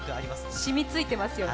染みついてますよね。